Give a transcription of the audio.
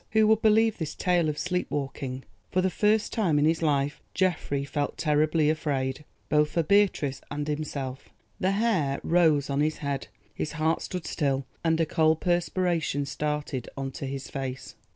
Who would believe this tale of sleep walking? For the first time in his life Geoffrey felt terribly afraid, both for Beatrice and himself; the hair rose on his head, his heart stood still, and a cold perspiration started on to his face.